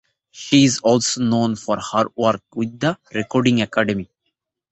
She is also known for her work with the Recording Academy.